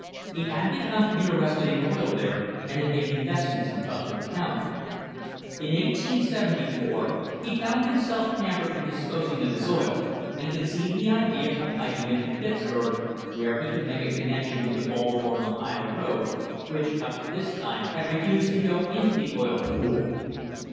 He had become interested in oil there, and had made investments in Butler County. In 1874 he found himself hampered in disposing of his oil and conceived the idea of piping it to Pittsburg, where he could make a connection with the Baltimore and Ohio road, which up to this time had refused to go into the oil pool.